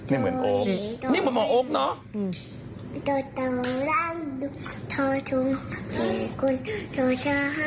นี่เหมือนโอ๊คนี่เหมือนหมอโอ๊คเนอะ